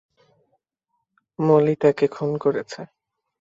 মলি তাকে খুন করেছে।